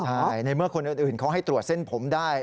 ใช่ในเมื่อคนอื่นเขาให้ตรวจเส้นผมได้